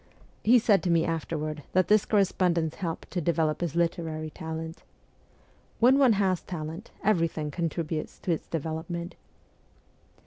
He said to me afterward that this correspondence helped to develop his literary talent. When one has talent, everything contributes to its development.